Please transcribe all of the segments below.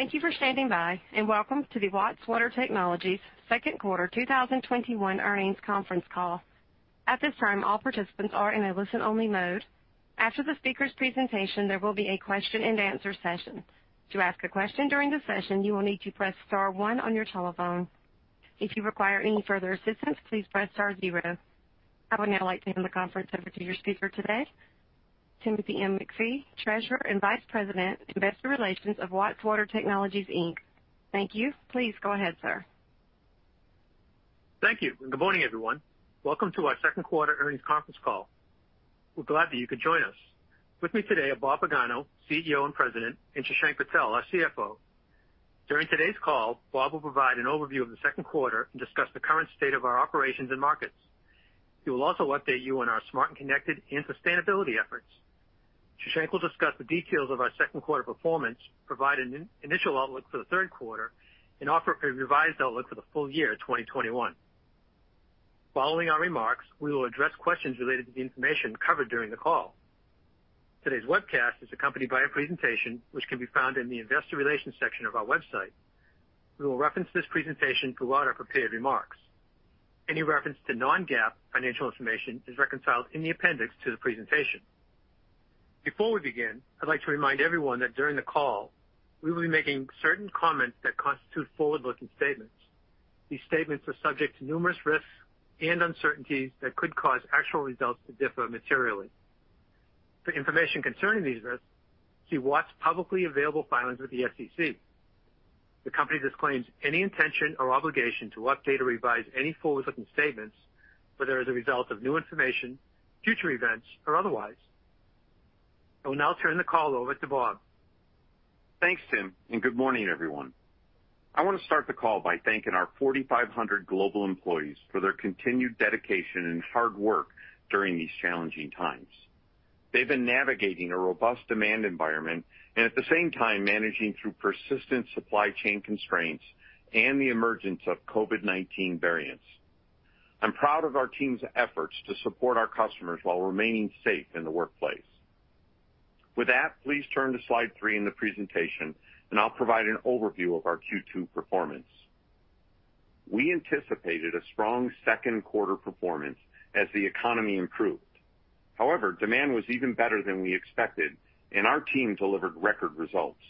Thank you for standing by, and welcome to the Watts Water Technologies second quarter 2021 earnings conference call. At this time, all participants are in a listen-only mode. After the speaker's presentation, there will be a question-and-answer session. To ask a question during the session, you will need to press star one on your telephone. If you require any further assistance, please press star zero. I would now like to hand the conference over to your speaker today, Timothy M. McPhee, Treasurer and Vice President, Investor Relations of Watts Water Technologies, Inc. Thank you. Please go ahead, sir. Thank you, and good morning, everyone. Welcome to our second quarter earnings conference call. We're glad that you could join us. With me today are Bob Pagano, CEO and President, and Shashank Patel, our CFO. During today's call, Bob will provide an overview of the second quarter and discuss the current state of our operations and markets. He will also update you on our Smart and Connected and sustainability efforts. Shashank will discuss the details of our second quarter performance, provide an initial outlook for the third quarter, and offer a revised outlook for the full year 2021. Following our remarks, we will address questions related to the information covered during the call. Today's webcast is accompanied by a presentation which can be found in the Investor Relations section of our website. We will reference this presentation throughout our prepared remarks. Any reference to non-GAAP financial information is reconciled in the appendix to the presentation. Before we begin, I'd like to remind everyone that during the call, we will be making certain comments that constitute forward-looking statements. These statements are subject to numerous risks and uncertainties that could cause actual results to differ materially. For information concerning these risks, see Watts' publicly available filings with the SEC. The company disclaims any intention or obligation to update or revise any forward-looking statements, whether as a result of new information, future events, or otherwise. I will now turn the call over to Bob. Thanks, Tim, and good morning, everyone. I want to start the call by thanking our 4,500 global employees for their continued dedication and hard work during these challenging times. They've been navigating a robust demand environment and at the same time, managing through persistent supply chain constraints and the emergence of COVID-19 variants. I'm proud of our team's efforts to support our customers while remaining safe in the workplace. With that, please turn to slide 3 in the presentation, and I'll provide an overview of our Q2 performance. We anticipated a strong second quarter performance as the economy improved. However, demand was even better than we expected, and our team delivered record results.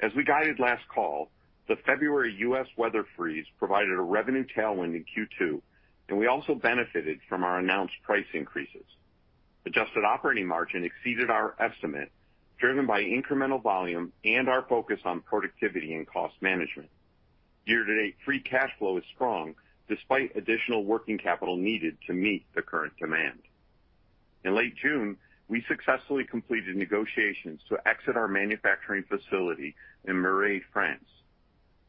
As we guided last call, the February U.S. weather freeze provided a revenue tailwind in Q2, and we also benefited from our announced price increases. Adjusted operating margin exceeded our estimate, driven by incremental volume and our focus on productivity and cost management. Year-to-date, free cash flow is strong, despite additional working capital needed to meet the current demand. In late June, we successfully completed negotiations to exit our manufacturing facility in Méry, France.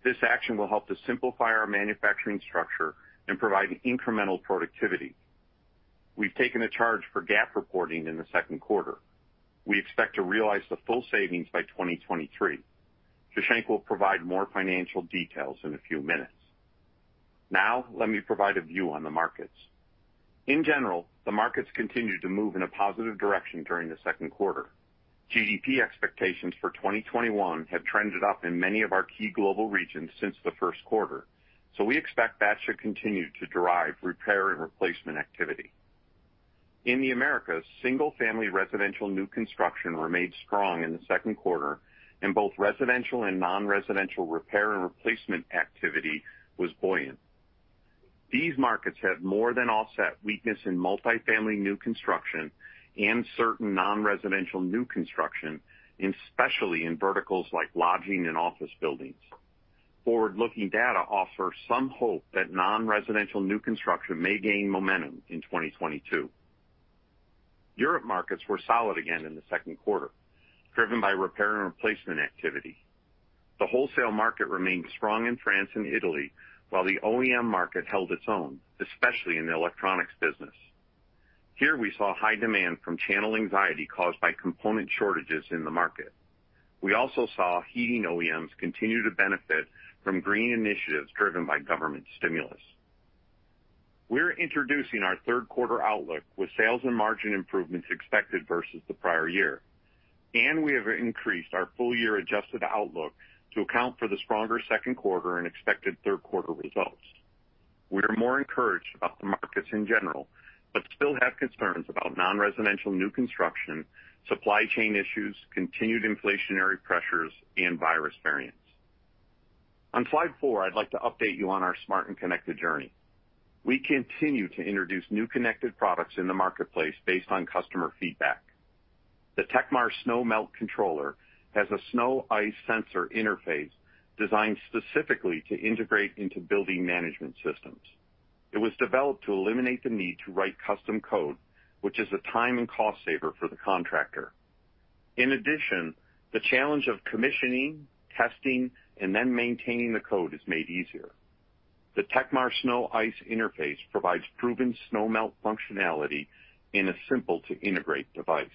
This action will help to simplify our manufacturing structure and provide incremental productivity. We've taken a charge for GAAP reporting in the second quarter. We expect to realize the full savings by 2023. Shashank will provide more financial details in a few minutes. Now, let me provide a view on the markets. In general, the markets continued to move in a positive direction during the second quarter. GDP expectations for 2021 have trended up in many of our key global regions since the first quarter, so we expect that should continue to drive repair and replacement activity. In the Americas, single-family residential new construction remained strong in the second quarter, and both residential and non-residential repair and replacement activity was buoyant. These markets have more than offset weakness in multifamily new construction and certain non-residential new construction, especially in verticals like lodging and office buildings. Forward-looking data offers some hope that non-residential new construction may gain momentum in 2022. Europe markets were solid again in the second quarter, driven by repair and replacement activity. The wholesale market remained strong in France and Italy, while the OEM market held its own, especially in the electronics business. Here, we saw high demand from channel anxiety caused by component shortages in the market. We also saw heating OEMs continue to benefit from green initiatives driven by government stimulus. We're introducing our third quarter outlook with sales and margin improvements expected versus the prior year, and we have increased our full-year adjusted outlook to account for the stronger second quarter and expected third quarter results. We are more encouraged about the markets in general, but still have concerns about non-residential new construction, supply chain issues, continued inflationary pressures, and virus variants. On slide four, I'd like to update you on our smart and connected journey. We continue to introduce new connected products in the marketplace based on customer feedback. The tekmar Snow Melt Controller has a snow/ice sensor interface designed specifically to integrate into building management systems. It was developed to eliminate the need to write custom code, which is a time and cost saver for the contractor. In addition, the challenge of commissioning, testing, and then maintaining the code is made easier. The tekmar Snow/Ice interface provides proven snow melt functionality in a simple-to-integrate device.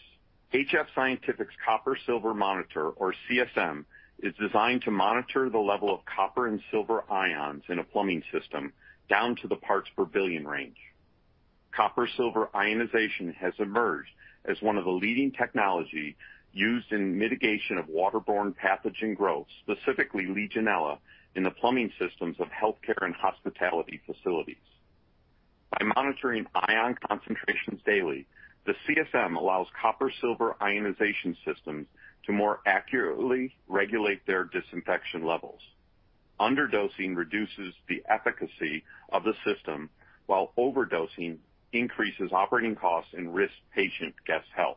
HF Scientific's Copper Silver Monitor, or CSM, is designed to monitor the level of copper and silver ions in a plumbing system down to the parts per billion range. Copper-silver ionization has emerged as one of the leading technology used in mitigation of waterborne pathogen growth, specifically Legionella, in the plumbing systems of healthcare and hospitality facilities. By monitoring ion concentrations daily, the CSM allows copper-silver ionization systems to more accurately regulate their disinfection levels. Underdosing reduces the efficacy of the system, while overdosing increases operating costs and risks patient guests' health.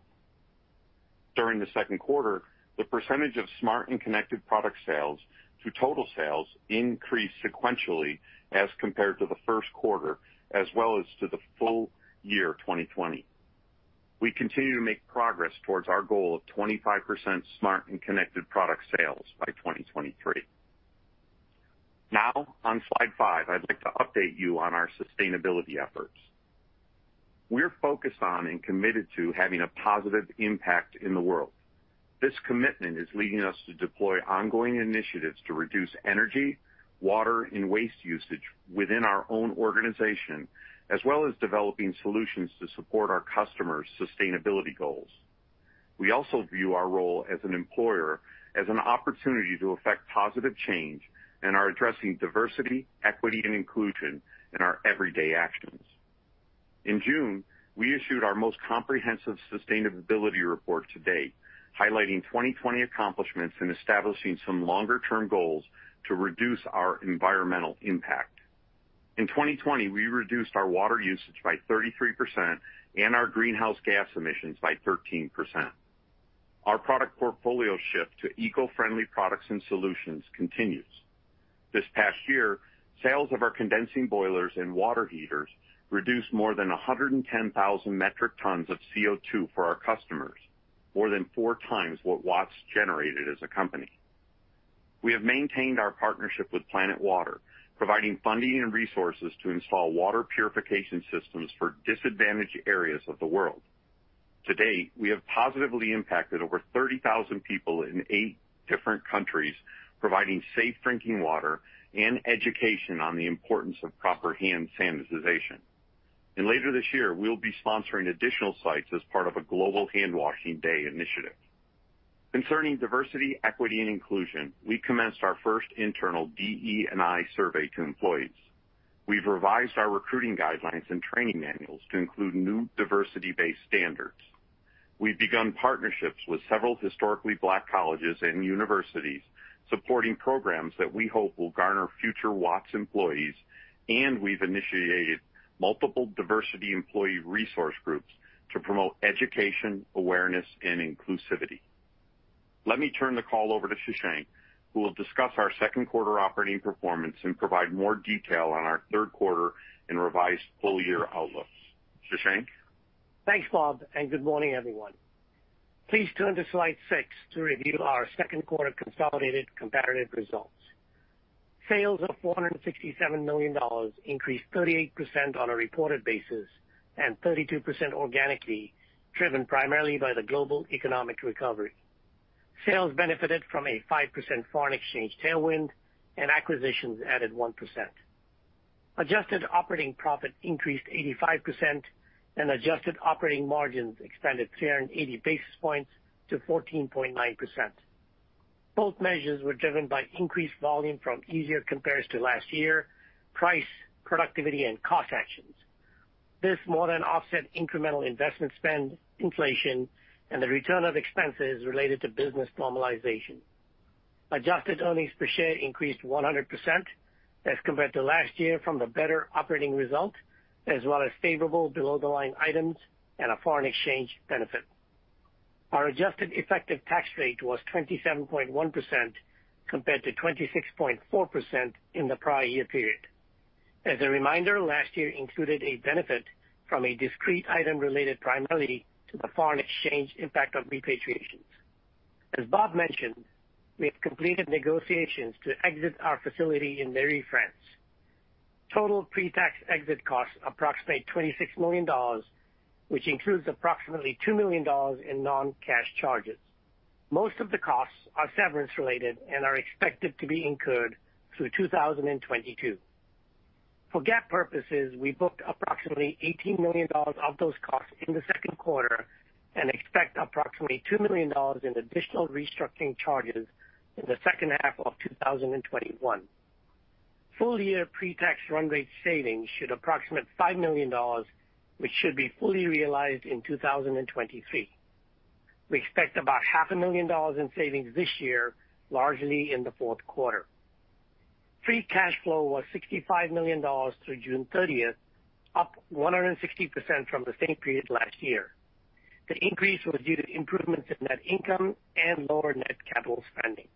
During the second quarter, the percentage of smart and connected product sales to total sales increased sequentially as compared to the first quarter, as well as to the full year 2020. We continue to make progress towards our goal of 25% smart and connected product sales by 2023. Now, on slide 5, I'd like to update you on our sustainability efforts. We're focused on and committed to having a positive impact in the world. This commitment is leading us to deploy ongoing initiatives to reduce energy, water, and waste usage within our own organization, as well as developing solutions to support our customers' sustainability goals. We also view our role as an employer, as an opportunity to effect positive change, and are addressing diversity, equity, and inclusion in our everyday actions. In June, we issued our most comprehensive sustainability report to date, highlighting 2020 accomplishments and establishing some longer-term goals to reduce our environmental impact. In 2020, we reduced our water usage by 33% and our greenhouse gas emissions by 13%. Our product portfolio shift to eco-friendly products and solutions continues. This past year, sales of our condensing boilers and water heaters reduced more than 110,000 metric tons of CO2 for our customers, more than 4 times what Watts generated as a company. We have maintained our partnership with Planet Water, providing funding and resources to install water purification systems for disadvantaged areas of the world. To date, we have positively impacted over 30,000 people in 8 different countries, providing safe drinking water and education on the importance of proper hand sanitization. Later this year, we'll be sponsoring additional sites as part of a Global Handwashing Day initiative. Concerning diversity, equity, and inclusion, we commenced our first internal DE&I survey to employees. We've revised our recruiting guidelines and training manuals to include new diversity-based standards. We've begun partnerships with several Historically Black Colleges and universities, supporting programs that we hope will garner future Watts employees, and we've initiated multiple diversity employee resource groups to promote education, awareness, and inclusivity. Let me turn the call over to Shashank, who will discuss our second quarter operating performance and provide more detail on our third quarter and revised full-year outlooks. Shashank? Thanks, Bob, and good morning, everyone. Please turn to slide 6 to review our second quarter consolidated comparative results. Sales of $467 million increased 38% on a reported basis and 32% organically, driven primarily by the global economic recovery. Sales benefited from a 5% foreign exchange tailwind and acquisitions added 1%. Adjusted operating profit increased 85% and adjusted operating margins expanded 380 basis points to 14.9%. Both measures were driven by increased volume from easier compares to last year, price, productivity, and cost actions. This more than offset incremental investment spend, inflation, and the return of expenses related to business normalization. Adjusted earnings per share increased 100% as compared to last year from the better operating result, as well as favorable below-the-line items and a foreign exchange benefit. Our adjusted effective tax rate was 27.1%, compared to 26.4% in the prior year period. As a reminder, last year included a benefit from a discrete item related primarily to the foreign exchange impact of repatriations. As Bob mentioned, we have completed negotiations to exit our facility in Méry, France. Total pre-tax exit costs approximate $26 million, which includes approximately $2 million in non-cash charges. Most of the costs are severance-related and are expected to be incurred through 2022. For GAAP purposes, we booked approximately $18 million of those costs in the second quarter and expect approximately $2 million in additional restructuring charges in the second half of 2021. Full-year pre-tax run rate savings should approximate $5 million, which should be fully realized in 2023. We expect about $500,000 in savings this year, largely in the fourth quarter. Free cash flow was $65 million through June 30, up 160% from the same period last year. The increase was due to improvements in net income and lower net capital spending.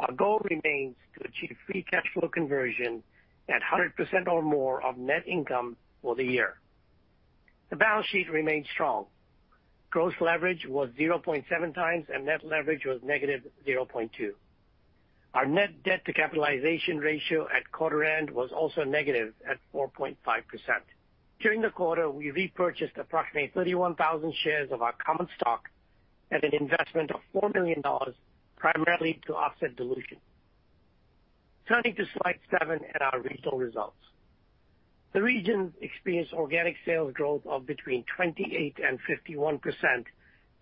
Our goal remains to achieve free cash flow conversion at 100% or more of net income for the year. The balance sheet remained strong. Gross leverage was 0.7 times, and net leverage was -0.2. Our net debt to capitalization ratio at quarter end was also negative at 4.5%. During the quarter, we repurchased approximately 31,000 shares of our common stock at an investment of $4 million, primarily to offset dilution. Turning to slide seven and our regional results. The region experienced organic sales growth of between 28% and 51%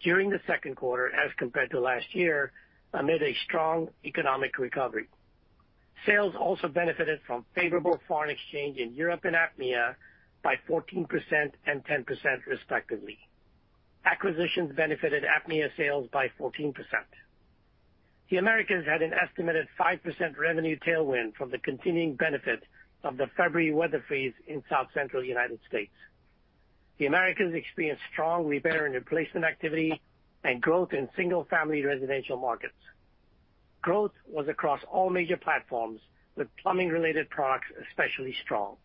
during the second quarter as compared to last year, amid a strong economic recovery. Sales also benefited from favorable foreign exchange in Europe and APMEA by 14% and 10% respectively. Acquisitions benefited APMEA sales by 14%. The Americas had an estimated 5% revenue tailwind from the continuing benefit of the February weather freeze in South Central United States. The Americas experienced strong repair and replacement activity and growth in single-family residential markets. Growth was across all major platforms, with plumbing-related products especially strong.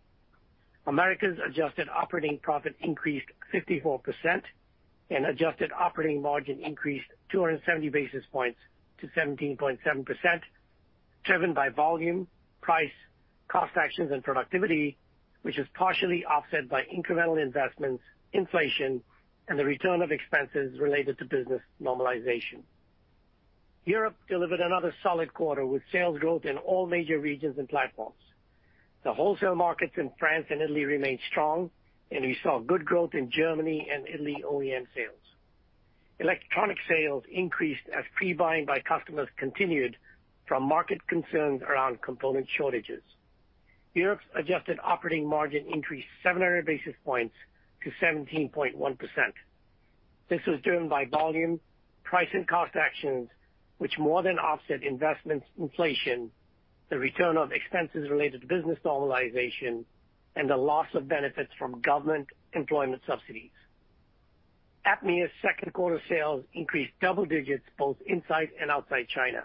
Americas adjusted operating profit increased 54%, and adjusted operating margin increased 270 basis points to 17.7%, driven by volume, price, cost actions, and productivity, which is partially offset by incremental investments, inflation, and the return of expenses related to business normalization. Europe delivered another solid quarter, with sales growth in all major regions and platforms. The wholesale markets in France and Italy remained strong, and we saw good growth in Germany and Italy OEM sales. Electronic sales increased as pre-buying by customers continued from market concerns around component shortages. Europe's adjusted operating margin increased 700 basis points to 17.1%. This was driven by volume, price, and cost actions, which more than offset investments, inflation, the return of expenses related to business normalization, and the loss of benefits from government employment subsidies. APMEA's second quarter sales increased double digits both inside and outside China.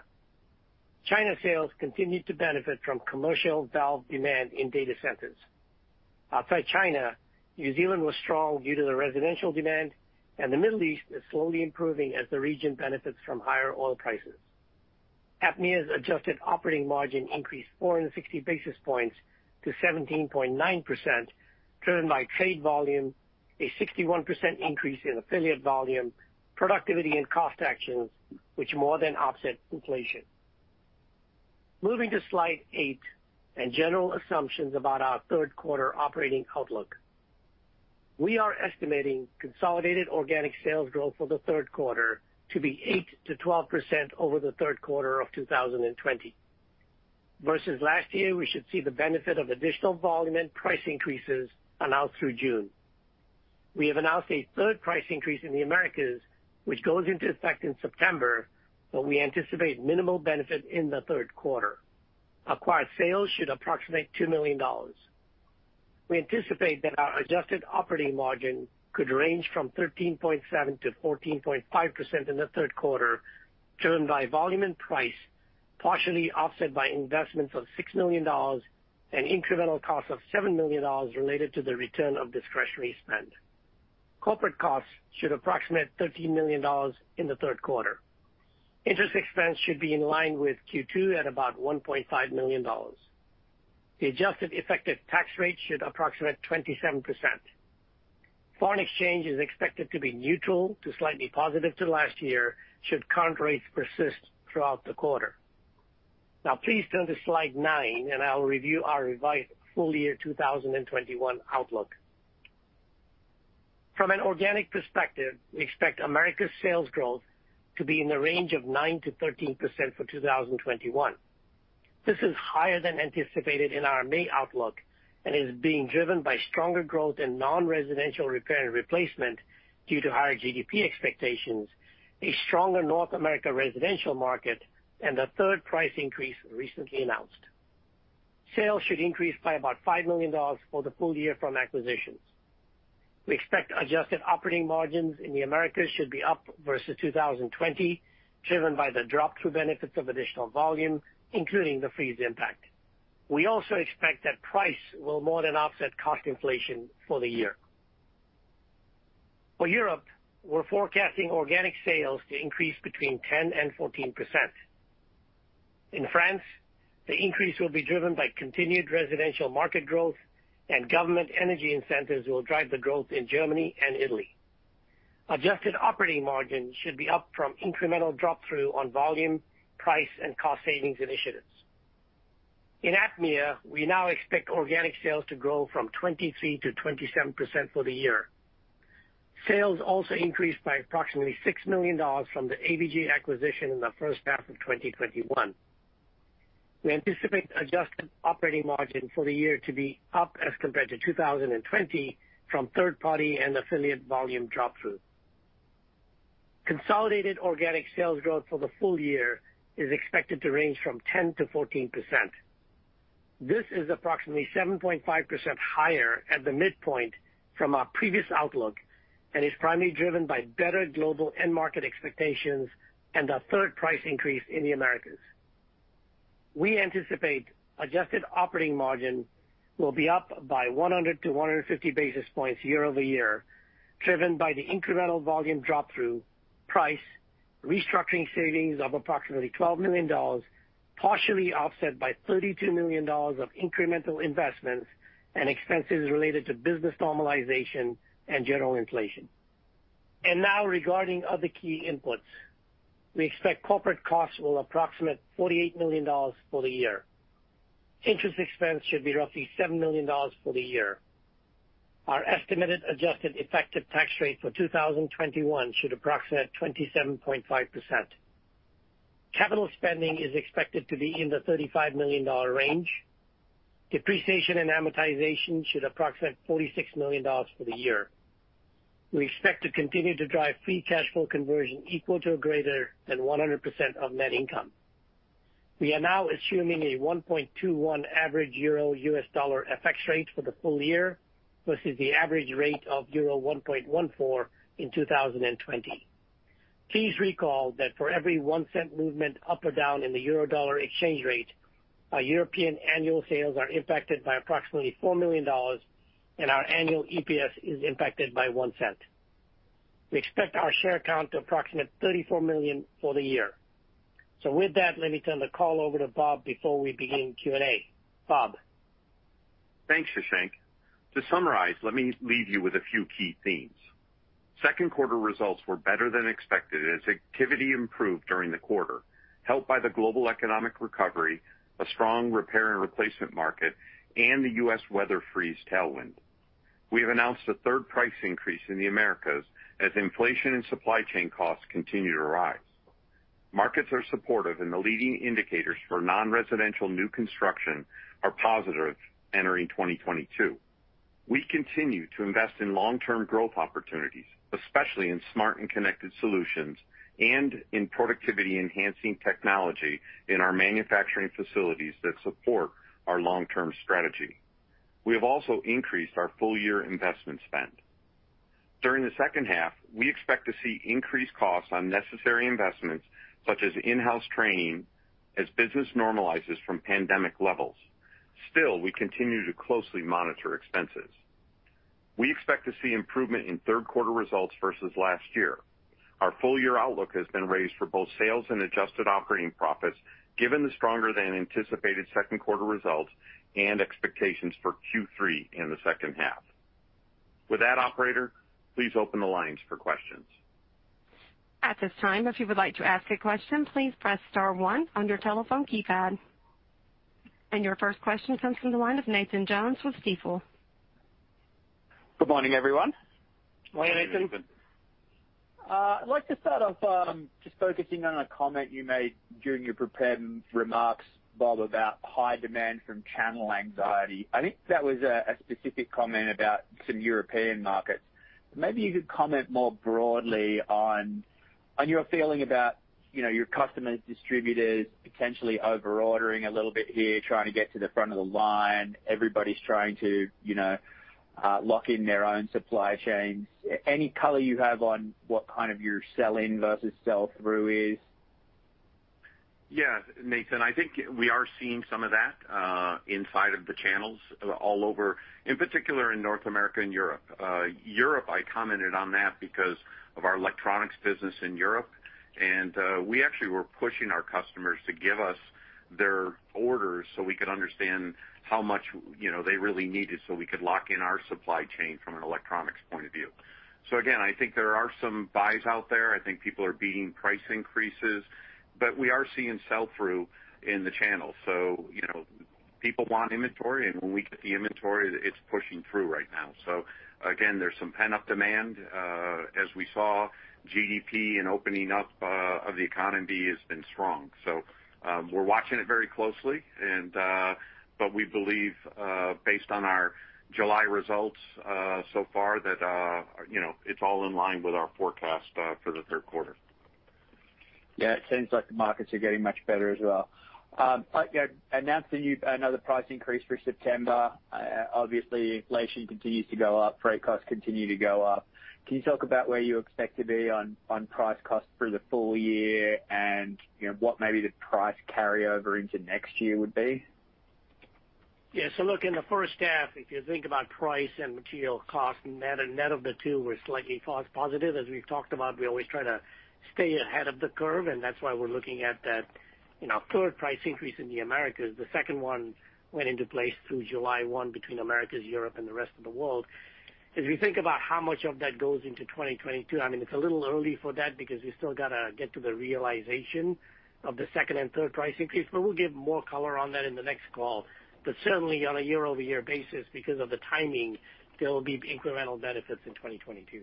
China sales continued to benefit from commercial valve demand in data centers. Outside China, New Zealand was strong due to the residential demand, and the Middle East is slowly improving as the region benefits from higher oil prices. APMEA's adjusted operating margin increased 460 basis points to 17.9%, driven by trade volume, a 61% increase in affiliate volume, productivity and cost actions, which more than offset inflation. Moving to slide 8 and general assumptions about our third quarter operating outlook. We are estimating consolidated organic sales growth for the third quarter to be 8%-12% over the third quarter of 2020. Versus last year, we should see the benefit of additional volume and price increases announced through June. We have announced a third price increase in the Americas, which goes into effect in September, but we anticipate minimal benefit in the third quarter. Acquired sales should approximate $2 million. We anticipate that our adjusted operating margin could range from 13.7%-14.5% in the third quarter, driven by volume and price, partially offset by investments of $6 million and incremental costs of $7 million related to the return of discretionary spend. Corporate costs should approximate $13 million in the third quarter. Interest expense should be in line with Q2 at about $1.5 million. The adjusted effective tax rate should approximate 27%. Foreign exchange is expected to be neutral to slightly positive to last year, should current rates persist throughout the quarter. Now please turn to slide 9, and I'll review our revised full-year 2021 outlook. From an organic perspective, we expect America's sales growth to be in the range of 9%-13% for 2021. This is higher than anticipated in our May outlook and is being driven by stronger growth in non-residential repair and replacement due to higher GDP expectations, a stronger North America residential market, and the third price increase recently announced. Sales should increase by about $5 million for the full year from acquisitions. We expect adjusted operating margins in the Americas should be up versus 2020, driven by the drop-through benefits of additional volume, including the freeze impact. We also expect that price will more than offset cost inflation for the year. For Europe, we're forecasting organic sales to increase between 10% and 14%. In France, the increase will be driven by continued residential market growth, and government energy incentives will drive the growth in Germany and Italy. Adjusted operating margin should be up from incremental drop-through on volume, price, and cost savings initiatives. In APMEA, we now expect organic sales to grow from 23%-27% for the year. Sales also increased by approximately $6 million from the AVG acquisition in the first half of 2021. We anticipate adjusted operating margin for the year to be up as compared to 2020 from third party and affiliate volume drop-through. Consolidated organic sales growth for the full year is expected to range from 10%-14%. This is approximately 7.5% higher at the midpoint from our previous outlook and is primarily driven by better global end market expectations and a third price increase in the Americas. We anticipate adjusted operating margin will be up by 100-150 basis points year-over-year, driven by the incremental volume drop-through, price, restructuring savings of approximately $12 million, partially offset by $32 million of incremental investments and expenses related to business normalization and general inflation. And now regarding other key inputs. We expect corporate costs will approximate $48 million for the year. Interest expense should be roughly $7 million for the year. Our estimated adjusted effective tax rate for 2021 should approximate 27.5%. Capital spending is expected to be in the $35 million dollar range. Depreciation and amortization should approximate $46 million for the year. We expect to continue to drive free cash flow conversion equal to or greater than 100% of net income. We are now assuming a 1.21 average euro/USD FX rate for the full year versus the average rate of euro 1.14 in 2020. Please recall that for every 1 cent movement up or down in the euro/dollar exchange rate, our European annual sales are impacted by approximately $4 million, and our annual EPS is impacted by $0.01. We expect our share count to approximate 34 million for the year. So with that, let me turn the call over to Bob before we begin Q&A. Bob? Thanks, Shashank. To summarize, let me leave you with a few key themes. Second quarter results were better than expected as activity improved during the quarter, helped by the global economic recovery, a strong repair and replacement market, and the U.S. weather freeze tailwind. We have announced a third price increase in the Americas as inflation and supply chain costs continue to rise. Markets are supportive, and the leading indicators for non-residential new construction are positive entering 2022. We continue to invest in long-term growth opportunities, especially in smart and connected solutions and in productivity-enhancing technology in our manufacturing facilities that support our long-term strategy. We have also increased our full-year investment spend. During the second half, we expect to see increased costs on necessary investments, such as in-house training, as business normalizes from pandemic levels. Still, we continue to closely monitor expenses. We expect to see improvement in third quarter results versus last year. Our full-year outlook has been raised for both sales and adjusted operating profits, given the stronger-than-anticipated second quarter results and expectations for Q3 in the second half. With that, operator, please open the lines for questions. At this time, if you would like to ask a question, please press star one on your telephone keypad. Your first question comes from the line of Nathan Jones with Stifel. Good morning, everyone. Good morning, Nathan. Good morning, Nathan. I'd like to start off, just focusing on a comment you made during your prepared remarks, Bob, about high demand from channel anxiety. I think that was a specific comment about some European markets. Maybe you could comment more broadly on your feeling about, you know, your customers, distributors, potentially over ordering a little bit here, trying to get to the front of the line. Everybody's trying to, you know, lock in their own supply chains. Any color you have on what kind of your sell-in versus sell-through is? Yeah, Nathan, I think we are seeing some of that inside of the channels all over, in particular in North America and Europe. Europe, I commented on that because of our electronics business in Europe, and we actually were pushing our customers to give us their orders so we could understand how much, you know, they really needed, so we could lock in our supply chain from an electronics point of view. So again, I think there are some buys out there. I think people are beating price increases, but we are seeing sell-through in the channel. So, you know, people want inventory, and when we get the inventory, it's pushing through right now. So again, there's some pent-up demand. As we saw, GDP and opening up of the economy has been strong. We're watching it very closely, but we believe, based on our July results so far that, you know, it's all in line with our forecast for the third quarter. Yeah, it seems like the markets are getting much better as well. But you announced a new -- another price increase for September. Obviously, inflation continues to go up, freight costs continue to go up. Can you talk about where you expect to be on, on price costs for the full year and, you know, what maybe the price carryover into next year would be? Yeah. So look, in the first half, if you think about price and material costs, net, and net of the two, we're slightly cost positive. As we've talked about, we always try to stay ahead of the curve, and that's why we're looking at that, you know, third price increase in the Americas. The second one went into place through July 1 between Americas, Europe, and the rest of the world. As we think about how much of that goes into 2022, I mean, it's a little early for that because we still got to get to the realization of the second and third price increase, but we'll give more color on that in the next call. But certainly, on a year-over-year basis, because of the timing, there will be incremental benefits in 2022.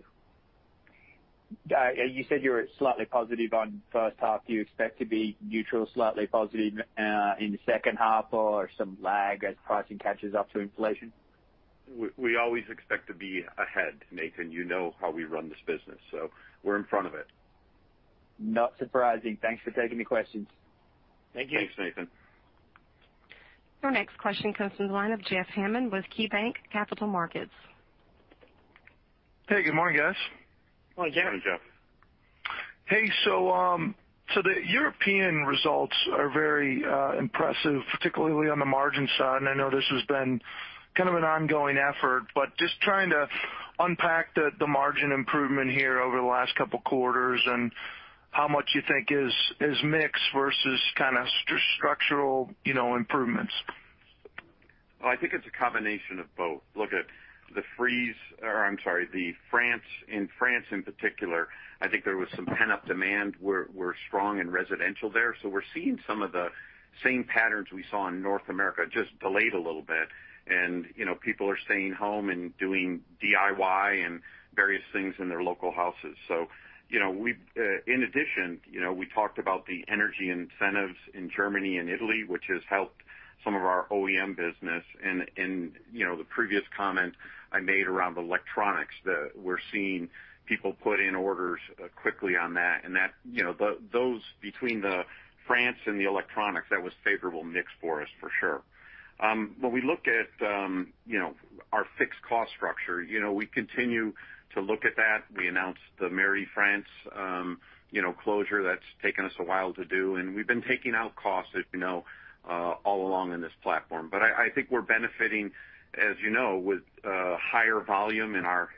You said you were slightly positive on first half. Do you expect to be neutral, slightly positive, in the second half, or some lag as pricing catches up to inflation? We always expect to be ahead, Nathan. You know how we run this business, so we're in front of it. Not surprising. Thanks for taking the questions. Thank you. Thanks, Nathan. Our next question comes from the line of Jeff Hammond with KeyBanc Capital Markets. Hey, good morning, guys. Good morning, Jeff. Morning, Jeff. Hey, so, so the European results are very impressive, particularly on the margin side, and I know this has been kind of an ongoing effort, but just trying to unpack the margin improvement here over the last couple quarters and how much you think is mix versus kind of structural, you know, improvements?... Well, I think it's a combination of both. Look at the freeze, or I'm sorry, the France in France, in particular, I think there was some pent-up demand. We're strong in residential there, so we're seeing some of the same patterns we saw in North America, just delayed a little bit. And, you know, people are staying home and doing DIY and various things in their local houses. So, you know, in addition, you know, we talked about the energy incentives in Germany and Italy, which has helped some of our OEM business. And, you know, the previous comment I made around the electronics, we're seeing people put in orders quickly on that, and that, you know, those between the France and the electronics, that was favorable mix for us for sure. When we look at, you know, our fixed cost structure, you know, we continue to look at that. We announced the Méry, France, you know, closure that's taken us a while to do, and we've been taking out costs, as you know, all along in this platform. But I, I think we're benefiting, as you know, with higher volume in our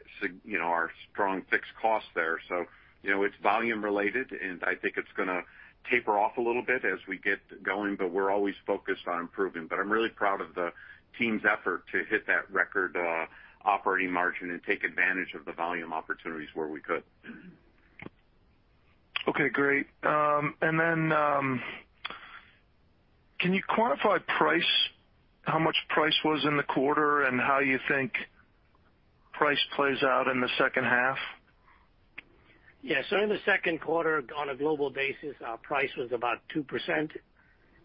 you know, our strong fixed costs there. So, you know, it's volume related, and I think it's gonna taper off a little bit as we get going, but we're always focused on improving. But I'm really proud of the team's effort to hit that record operating margin and take advantage of the volume opportunities where we could. Okay, great. And then, can you quantify price, how much price was in the quarter and how you think price plays out in the second half? Yeah. So in the second quarter, on a global basis, our price was about 2%.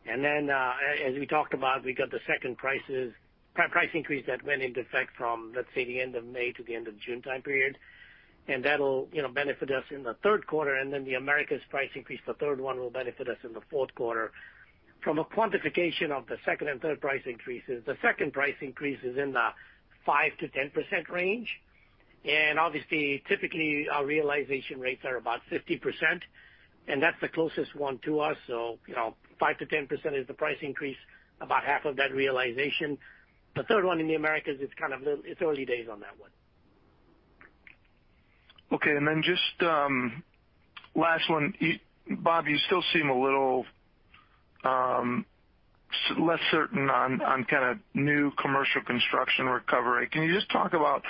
And then, as we talked about, we got the second price increase that went into effect from, let's say, the end of May to the end of June time period. And that'll, you know, benefit us in the third quarter, and then the Americas price increase, the third one, will benefit us in the fourth quarter. From a quantification of the second and third price increases, the second price increase is in the 5%-10% range. And obviously, typically, our realization rates are about 50%, and that's the closest one to us. So, you know, 5%-10% is the price increase, about half of that realization. The third one in the Americas is kind of, it's early days on that one. Okay. And then just, last one. Bob, you still seem a little, less certain on, on kind of new commercial construction recovery. Can you just talk about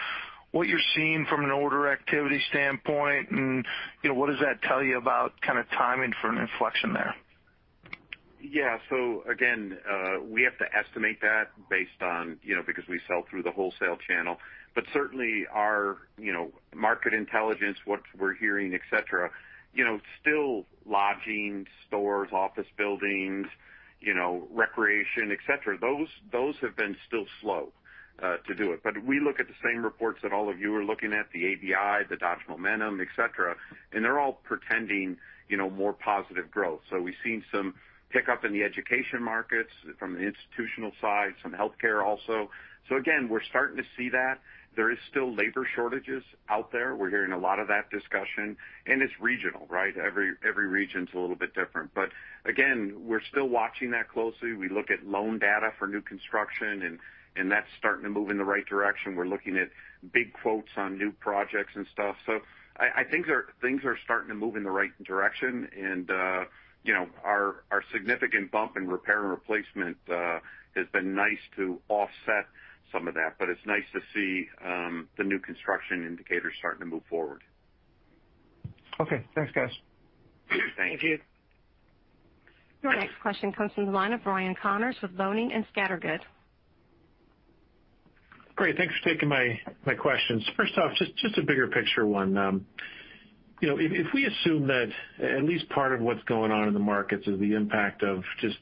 what you're seeing from an order activity standpoint, and, you know, what does that tell you about kind of timing for an inflection there? Yeah. So again, we have to estimate that based on, you know, because we sell through the wholesale channel. But certainly our, you know, market intelligence, what we're hearing, et cetera, you know, still lodging, stores, office buildings, you know, recreation, et cetera, those have been still slow to do it. But we look at the same reports that all of you are looking at, the ABI, the Dodge Momentum, et cetera, and they're all portending, you know, more positive growth. So we've seen some pickup in the education markets from the institutional side, some healthcare also. So again, we're starting to see that. There is still labor shortages out there. We're hearing a lot of that discussion, and it's regional, right? Every region's a little bit different. But again, we're still watching that closely. We look at loan data for new construction, and that's starting to move in the right direction. We're looking at big quotes on new projects and stuff. So I think things are starting to move in the right direction, and, you know, our significant bump in repair and replacement has been nice to offset some of that, but it's nice to see the new construction indicators starting to move forward. Okay. Thanks, guys. Thank you. Your next question comes from the line of Ryan Connors with Boenning & Scattergood. Great, thanks for taking my, my questions. First off, just, just a bigger picture one. You know, if, if we assume that at least part of what's going on in the markets is the impact of just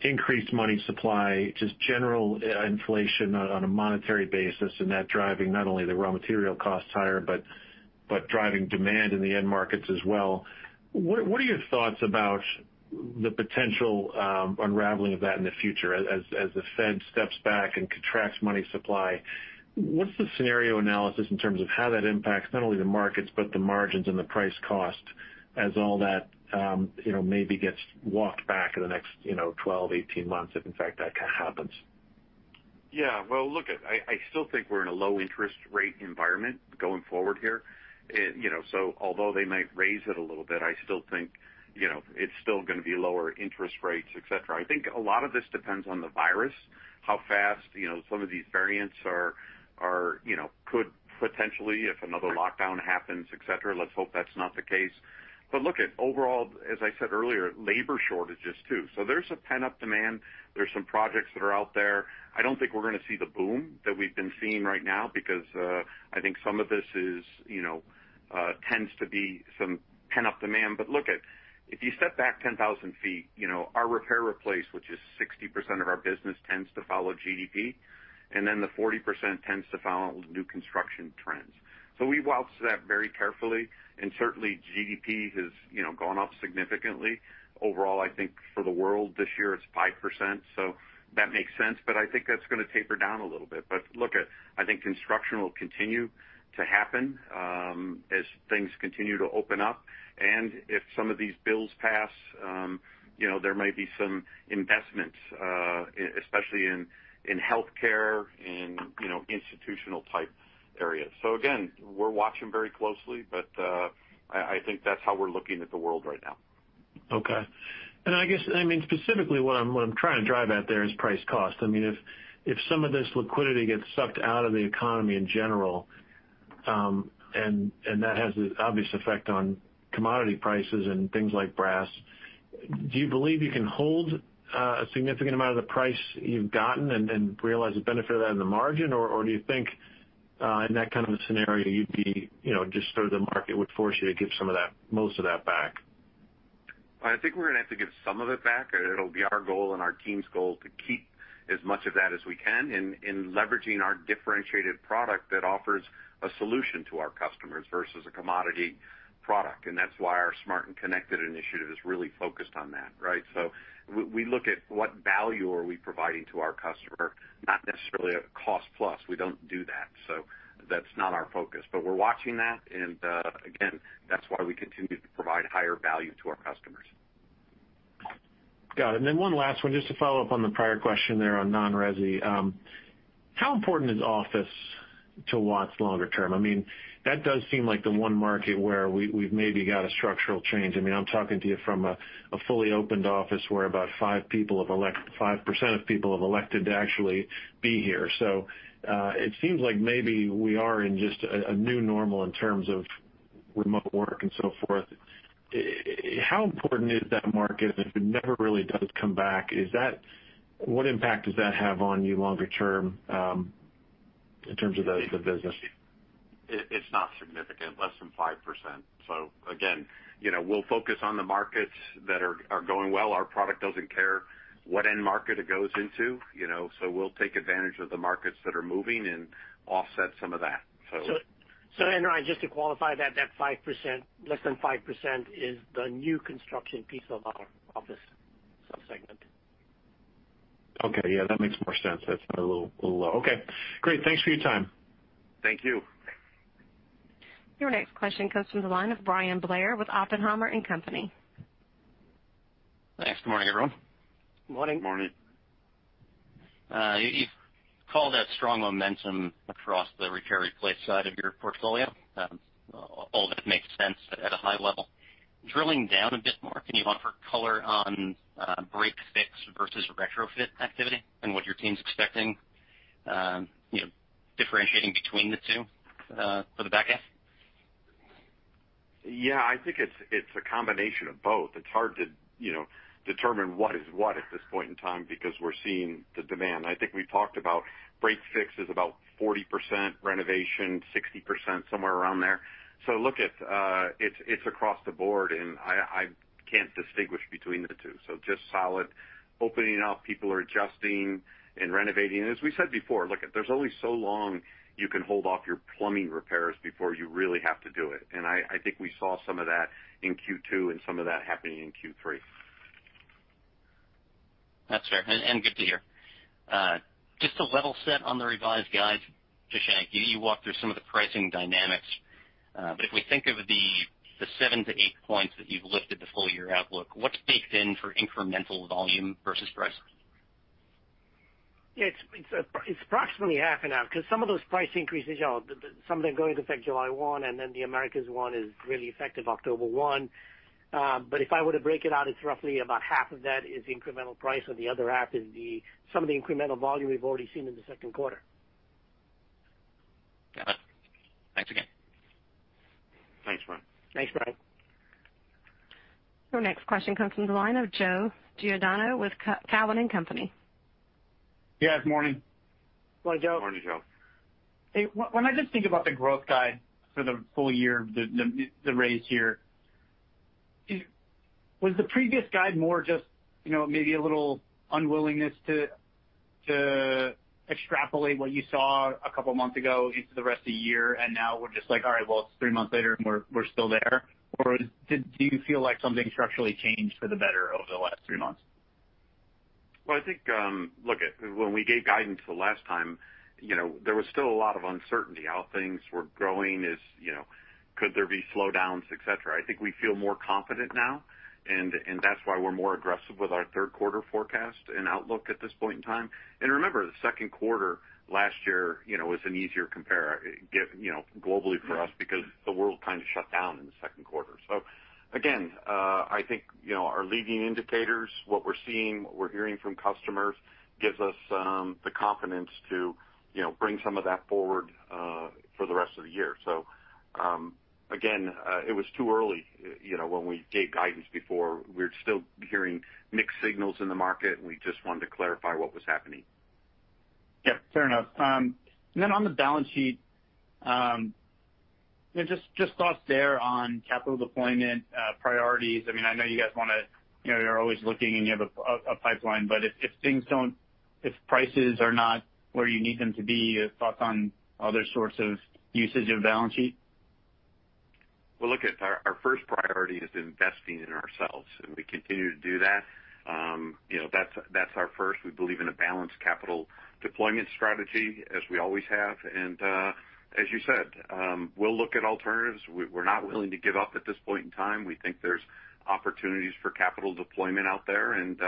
increased money supply, just general inflation on a monetary basis, and that driving not only the raw material costs higher, but, but driving demand in the end markets as well, what, what are your thoughts about the potential unraveling of that in the future? As, as the Fed steps back and contracts money supply, what's the scenario analysis in terms of how that impacts not only the markets, but the margins and the price cost as all that, you know, maybe gets walked back in the next, you know, 12, 18 months, if in fact, that kind of happens? Yeah. Well, look, I still think we're in a low interest rate environment going forward here. And, you know, so although they might raise it a little bit, I still think, you know, it's still gonna be lower interest rates, et cetera. I think a lot of this depends on the virus, how fast, you know, some of these variants are, you know, could potentially, if another lockdown happens, et cetera. Let's hope that's not the case. But look at overall, as I said earlier, labor shortages, too. So there's a pent-up demand. There's some projects that are out there. I don't think we're gonna see the boom that we've been seeing right now because, I think some of this is, you know, tends to be some pent-up demand. But look at, if you step back 10,000 ft, you know, our repair replace, which is 60% of our business, tends to follow GDP, and then the 40% tends to follow new construction trends. So we've watched that very carefully, and certainly GDP has, you know, gone up significantly. Overall, I think for the world this year, it's 5%, so that makes sense. But I think that's gonna taper down a little bit. But look, I think construction will continue to happen, as things continue to open up. And if some of these bills pass, you know, there may be some investments, especially in healthcare, in, you know, institutional type areas. So again, we're watching very closely, but, I think that's how we're looking at the world right now.... Okay. And I guess, I mean, specifically, what I'm trying to drive at there is price cost. I mean, if some of this liquidity gets sucked out of the economy in general, and that has an obvious effect on commodity prices and things like brass, do you believe you can hold a significant amount of the price you've gotten and realize the benefit of that in the margin? Or do you think, in that kind of a scenario, you'd be, you know, just sort of the market would force you to give some of that-- most of that back? I think we're going to have to give some of it back. It'll be our goal and our team's goal to keep as much of that as we can in leveraging our differentiated product that offers a solution to our customers versus a commodity product. And that's why our Smart and Connected initiative is really focused on that, right? So we look at what value are we providing to our customer, not necessarily a cost plus. We don't do that, so that's not our focus. But we're watching that, and again, that's why we continue to provide higher value to our customers. Got it. And then one last one, just to follow up on the prior question there on non-resi. How important is office to Watts longer term? I mean, that does seem like the one market where we, we've maybe got a structural change. I mean, I'm talking to you from a fully opened office where about 5% of people have elected to actually be here. So, it seems like maybe we are in just a new normal in terms of remote work and so forth. How important is that market if it never really does come back? Is that—what impact does that have on you longer term, in terms of the business? It's not significant, less than 5%. So again, you know, we'll focus on the markets that are going well. Our product doesn't care what end market it goes into, you know, so we'll take advantage of the markets that are moving and offset some of that. So- So, and Ryan, just to qualify that, that 5%, less than 5% is the new construction piece of our office subsegment. Okay. Yeah, that makes more sense. That's a little, little low. Okay, great. Thanks for your time. Thank you. Your next question comes from the line of Bryan Blair with Oppenheimer & Company. Thanks. Good morning, everyone. Morning. Morning. You've called out strong momentum across the repair replace side of your portfolio. All that makes sense at a high level. Drilling down a bit more, can you offer color on break fix versus retrofit activity and what your team's expecting, you know, differentiating between the two, for the back half? Yeah, I think it's a combination of both. It's hard to, you know, determine what is what at this point in time, because we're seeing the demand. I think we talked about break fix is about 40% renovation, 60%, somewhere around there. So look at, it's across the board, and I can't distinguish between the two. So just solid, opening up, people are adjusting and renovating. As we said before, look, there's only so long you can hold off your plumbing repairs before you really have to do it, and I think we saw some of that in Q2 and some of that happening in Q3. That's fair, and good to hear. Just to level set on the revised guide, Shashank, you walked through some of the pricing dynamics, but if we think of the 7-8 points that you've lifted the full year outlook, what's baked in for incremental volume versus price? It's approximately half an hour, because some of those price increases, you know, some of them go into effect July 1, and then the Americas one is really effective October 1. But if I were to break it out, it's roughly about half of that is incremental price, and the other half is some of the incremental volume we've already seen in the second quarter. Got it. Thanks again. Thanks, Bryan. Thanks, Bryan. Our next question comes from the line of Joe Giordano with Cowen and Company. Yeah, good morning. Good morning, Joe. Morning, Joe. Hey, when I just think about the growth guide for the full year, the raise here, was the previous guide more just, you know, maybe a little unwillingness to extrapolate what you saw a couple of months ago into the rest of the year, and now we're just like, all right, well, it's three months later, and we're still there? Or did you feel like something structurally changed for the better over the last three months? Well, I think, when we gave guidance the last time, you know, there was still a lot of uncertainty how things were growing, you know, could there be slowdowns, et cetera. I think we feel more confident now, and that's why we're more aggressive with our third quarter forecast and outlook at this point in time. And remember, the second quarter last year, you know, was an easier compare, you know, globally for us because the world kind of shut down in the second quarter. So again, I think, you know, our leading indicators, what we're seeing, what we're hearing from customers gives us the confidence to, you know, bring some of that forward for the rest of the year. So, again, it was too early, you know, when we gave guidance before. We're still hearing mixed signals in the market, and we just wanted to clarify what was happening. Yeah, fair enough. And then on the balance sheet, you know, just thoughts there on capital deployment, priorities. I mean, I know you guys want to... You know, you're always looking, and you have a pipeline, but if things don't—if prices are not where you need them to be, your thoughts on other sorts of usage of balance sheet? Well, look, it's our first priority is investing in ourselves, and we continue to do that. You know, that's our first. We believe in a balanced capital deployment strategy, as we always have, and, as you said, we'll look at alternatives. We're not willing to give up at this point in time. We think there's opportunities for capital deployment out there, and,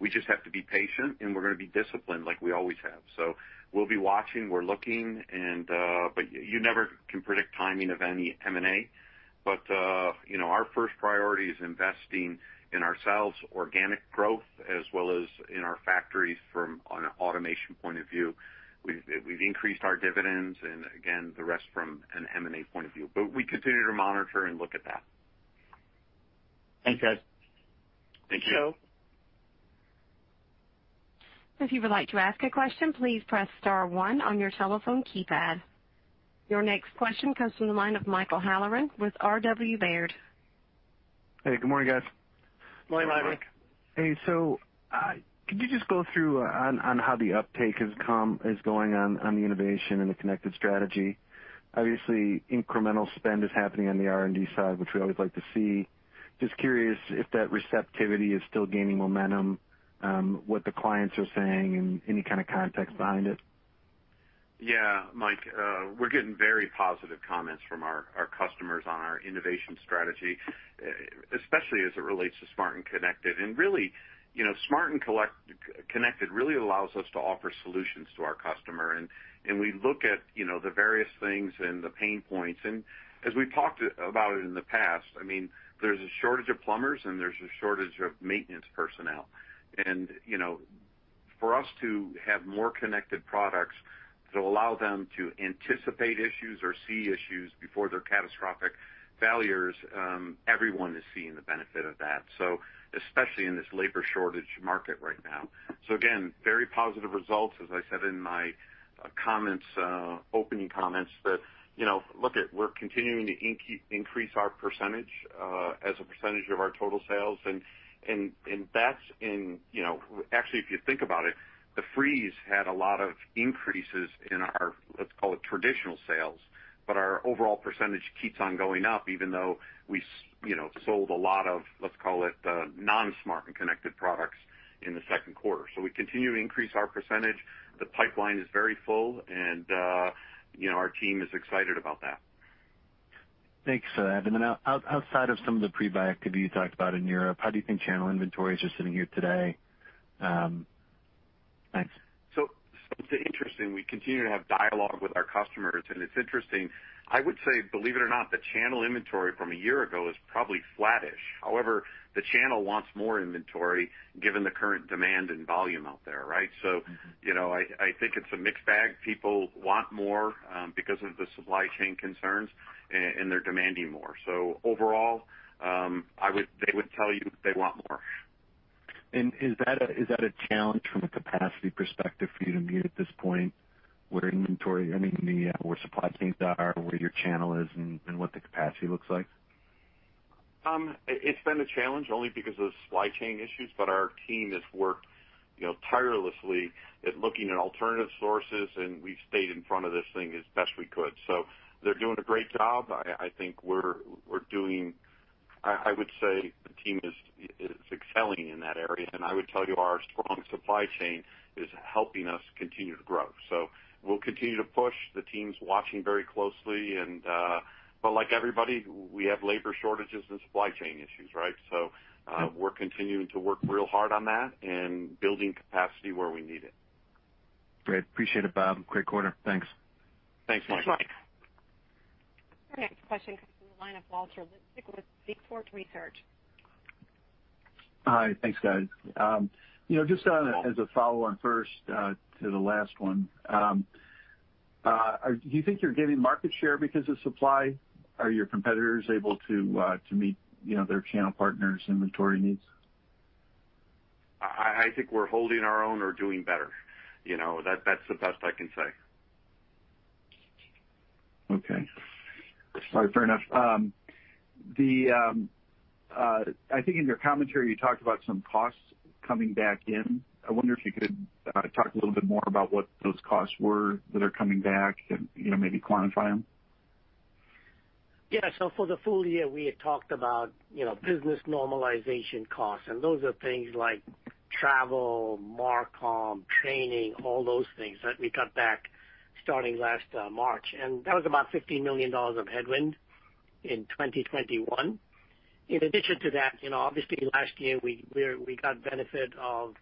we just have to be patient, and we're going to be disciplined like we always have. So we'll be watching, we're looking, and, but you never can predict timing of any M&A.... but, you know, our first priority is investing in ourselves, organic growth, as well as in our factories from an automation point of view. We've increased our dividends and again, the rest from an M&A point of view. But we continue to monitor and look at that. Thanks, guys. Thank you. Thank you. If you would like to ask a question, please press star one on your telephone keypad. Your next question comes from the line of Michael Halleran with RW Baird. Hey, good morning, guys. Good morning, Mike. Hey, so, could you just go through on, on how the uptake has come, is going on, on the innovation and the connected strategy? Obviously, incremental spend is happening on the R&D side, which we always like to see. Just curious if that receptivity is still gaining momentum, what the clients are saying, and any kind of context behind it. Yeah, Mike, we're getting very positive comments from our customers on our innovation strategy, especially as it relates to Smart and Connected. And really, you know, Smart and Connected really allows us to offer solutions to our customer. And we look at, you know, the various things and the pain points. And as we talked about it in the past, I mean, there's a shortage of plumbers, and there's a shortage of maintenance personnel. And, you know, for us to have more connected products that allow them to anticipate issues or see issues before they're catastrophic failures, everyone is seeing the benefit of that, so especially in this labor shortage market right now. So again, very positive results, as I said in my comments, opening comments, that, you know, look at, we're continuing to increase our percentage, as a percentage of our total sales. And that's in, you know. Actually, if you think about it, the freeze had a lot of increases in our, let's call it, traditional sales, but our overall percentage keeps on going up, even though we, you know, sold a lot of, let's call it, non-smart and connected products in the second quarter. So we continue to increase our percentage. The pipeline is very full, and, you know, our team is excited about that. Thanks, Ed. And then outside of some of the pre-buy activity you talked about in Europe, how do you think channel inventories are sitting here today? Thanks. It's interesting. We continue to have dialogue with our customers, and it's interesting. I would say, believe it or not, the channel inventory from a year ago is probably flattish. However, the channel wants more inventory given the current demand and volume out there, right? So, you know, I think it's a mixed bag. People want more because of the supply chain concerns, and they're demanding more. So overall, they would tell you they want more. Is that a challenge from a capacity perspective for you to meet at this point, where inventory, I mean, where supply chains are, where your channel is, and what the capacity looks like? It's been a challenge only because of supply chain issues, but our team has worked, you know, tirelessly at looking at alternative sources, and we've stayed in front of this thing as best we could. So they're doing a great job. I think we're doing... I would say the team is excelling in that area, and I would tell you our strong supply chain is helping us continue to grow. So we'll continue to push. The team's watching very closely and... But like everybody, we have labor shortages and supply chain issues, right? So, we're continuing to work real hard on that and building capacity where we need it. Great. Appreciate it, Bob. Great quarter. Thanks. Thanks, Mike. Thanks, Mike. Our next question comes from the line of Walter Liptak with Seaport Research. Hi. Thanks, guys. You know, just as a follow-on first to the last one, do you think you're gaining market share because of supply? Are your competitors able to meet, you know, their channel partners' inventory needs? I think we're holding our own or doing better. You know, that's the best I can say. Okay. All right, fair enough. I think in your commentary, you talked about some costs coming back in. I wonder if you could talk a little bit more about what those costs were that are coming back and, you know, maybe quantify them? Yeah. So for the full year, we had talked about, you know, business normalization costs, and those are things like travel, marcom, training, all those things that we cut back starting last March, and that was about $15 million of headwind in 2021. In addition to that, you know, obviously, last year, we got benefit of,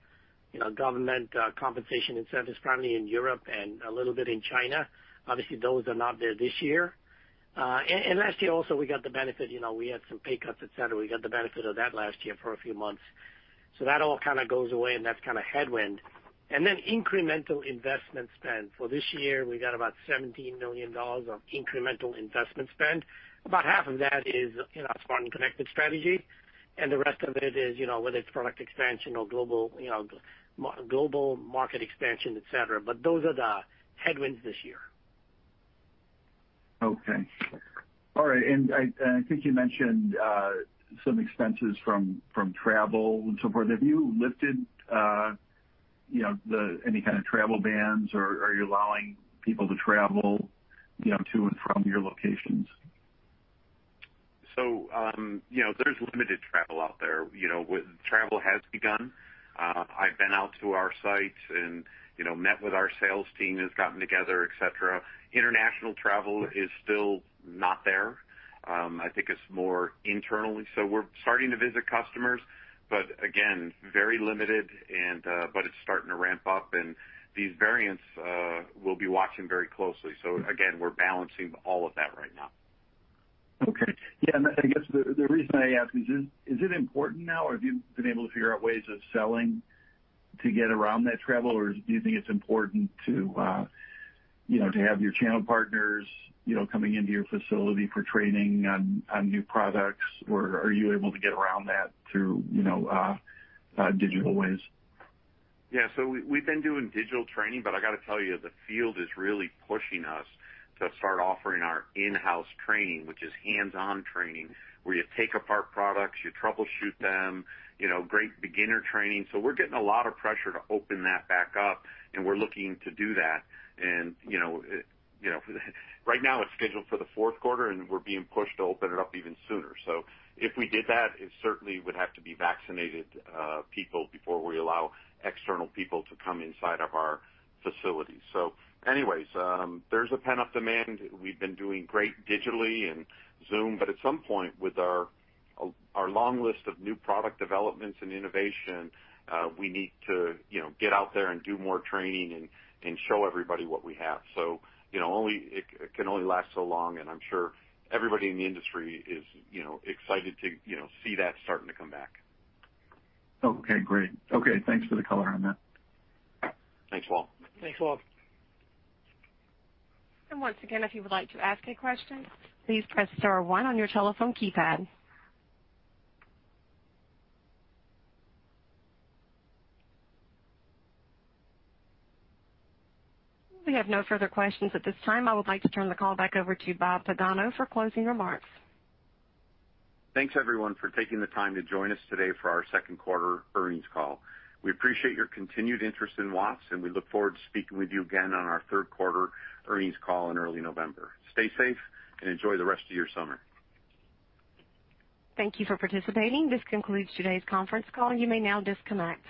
you know, government compensation incentives, primarily in Europe and a little bit in China. Obviously, those are not there this year. And last year also, we got the benefit, you know, we had some pay cuts, et cetera. We got the benefit of that last year for a few months. So that all kind of goes away, and that's kind of headwind. And then incremental investment spend. For this year, we got about $17 million of incremental investment spend. About half of that is, you know, Smart and Connected strategy, and the rest of it is, you know, whether it's product expansion or global, you know, global market expansion, et cetera, but those are the headwinds this year. Okay. All right, and I think you mentioned some expenses from travel and so forth. Have you lifted, you know, any kind of travel bans, or are you allowing people to travel, you know, to and from your locations? So, you know, there's limited travel out there. You know, with travel has begun. I've been out to our sites and, you know, met with our sales team, has gotten together, et cetera. International travel is still not there. I think it's more internally. So we're starting to visit customers, but again, very limited and, but it's starting to ramp up, and these variants, we'll be watching very closely. So again, we're balancing all of that right now.... Okay. Yeah, and I guess the reason I ask is, is it important now, or have you been able to figure out ways of selling to get around that travel? Or do you think it's important to, you know, to have your channel partners, you know, coming into your facility for training on new products? Or are you able to get around that through, you know, digital ways? Yeah, so we've been doing digital training, but I gotta tell you, the field is really pushing us to start offering our in-house training, which is hands-on training, where you take apart products, you troubleshoot them, you know, great beginner training. So we're getting a lot of pressure to open that back up, and we're looking to do that. And, you know, you know, right now it's scheduled for the fourth quarter, and we're being pushed to open it up even sooner. So if we did that, it certainly would have to be vaccinated people before we allow external people to come inside of our facilities. So anyways, there's a pent-up demand. We've been doing great digitally and Zoom, but at some point, with our long list of new product developments and innovation, we need to, you know, get out there and do more training and show everybody what we have. So, you know, it can only last so long, and I'm sure everybody in the industry is, you know, excited to, you know, see that starting to come back. Okay, great. Okay, thanks for the color on that. Thanks, Paul. Thanks, Paul. Once again, if you would like to ask a question, please press star one on your telephone keypad. We have no further questions at this time. I would like to turn the call back over to Bob Pagano for closing remarks. Thanks, everyone, for taking the time to join us today for our second quarter earnings call. We appreciate your continued interest in Watts, and we look forward to speaking with you again on our third quarter earnings call in early November. Stay safe, and enjoy the rest of your summer. Thank you for participating. This concludes today's conference call. You may now disconnect.